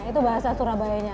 itu bahasa surabayanya